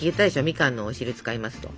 みかんのお汁使いますと。